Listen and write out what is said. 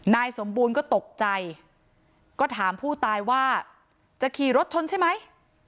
นายสมบูรณ์ก็ตกใจก็ถามผู้ตายว่าจะขี่รถชนใช่ไหม